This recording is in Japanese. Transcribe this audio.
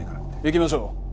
行きましょう。